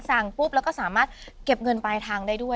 ปุ๊บแล้วก็สามารถเก็บเงินปลายทางได้ด้วย